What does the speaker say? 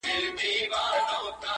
د غوجلې صحنه يادېږي بيا بيا-